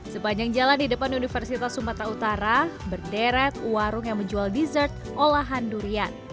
sepanjang jalan di depan universitas sumatera utara berderet warung yang menjual dessert olahan durian